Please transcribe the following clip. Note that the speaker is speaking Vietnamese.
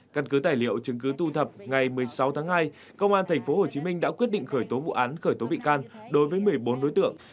căn cứ tài liệu chứng cứ thu thập ngày một mươi sáu tháng hai công an tp hcm đã quyết định khởi tố vụ án khởi tố bị can đối với một mươi bốn đối tượng